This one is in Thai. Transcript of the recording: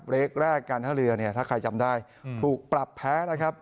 เลขแรกการท่าเรือเนี่ยถ้าใครจำได้ถูกปรับแพ้นะครับ